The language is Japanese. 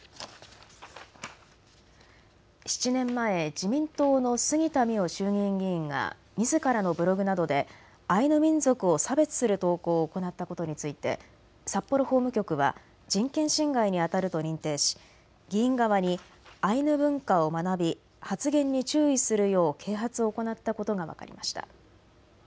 ７年前、自民党の杉田水脈衆議院議員がみずからのブログなどでアイヌ民族を差別する投稿を行ったことについて札幌法務局は人権侵害にあたると認定し議員側にアイヌ文化を学び発言に注意するよう啓発を行ったことが分かりました。